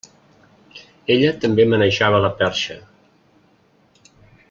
Ella també manejava la perxa.